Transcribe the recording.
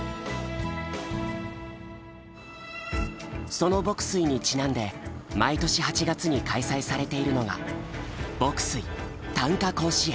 その牧水にちなんで毎年８月に開催されているのが牧水・短歌甲子園。